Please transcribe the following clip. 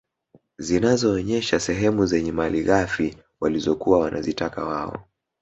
Zinazoonyesha sehemu zenye malighafi walizokuwa wanazitaka wao